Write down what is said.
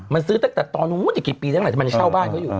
มันซื้อตั้งแต่ตอนนู้นอย่างกี่ปีจังหลังมันเช่าบ้านเขาอยู่